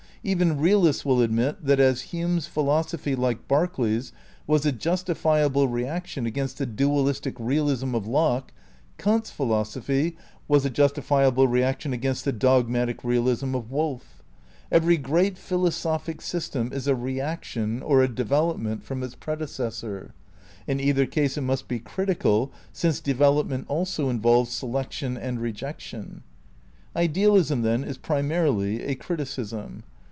Even realists will admit that, as Hume's philosophy, like Berkeley's, was a justifi able reaction against the dualistic realism of Locke, Kant's philosophy was a justifiable reaction against the dogmatic realism of Wolf. Every great philosophic system is a reaction or a development from its prede cessor; in either case it must be critical, since develop ment also involves selection and rejection. Idealism, then, is primarily a criticism.